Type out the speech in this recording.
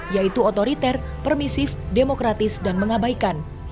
yaitu otoriter permisif demokratis dan mengabaikan